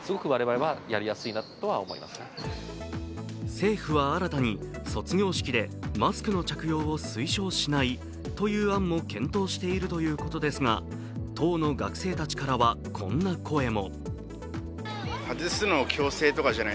政府は新たに卒業式でマスクの着用を推奨しないという案を検討しているということですが、当の学生たちからは、こんな声も。